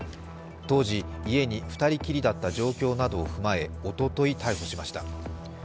当時、家に２人きりだった状況などを踏まえ、おととい逮捕しました。